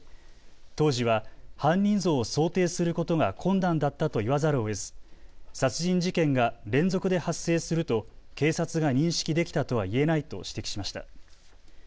当時は犯人像を想定することが困難だったと言わざるをえず殺人事件が連続で発生すると警察が認識できたとは言えないと指摘しました。